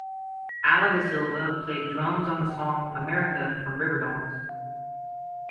Allen DeSilva played drums on the song "America" from "Riverdogs".